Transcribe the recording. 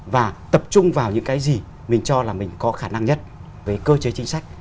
và tập trung vào những cái gì mình cho là mình có khả năng nhất về cơ chế chính sách